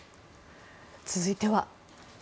続いては。